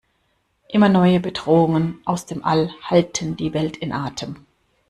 Immer neue Bedrohungen aus dem All halten die Welt in Atem.